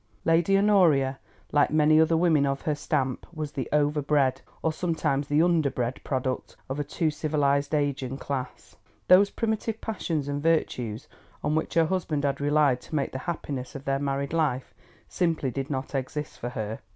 Lady Honoria, like many another woman of her stamp, was the overbred, or sometimes the underbred, product of a too civilized age and class. Those primitive passions and virtues on which her husband had relied to make the happiness of their married life simply did not exist for her.